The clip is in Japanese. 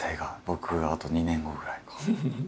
僕あと２年後ぐらいか。